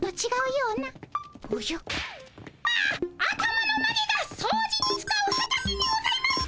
頭のマゲがそうじに使うはたきにございます。